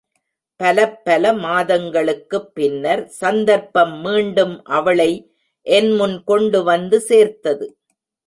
பலப்பல மாதங்களுக்குப் பின்னர் சந்தர்ப்பம் மீண்டும் அவளை என் முன் கொண்டு வந்து சேர்த்தது.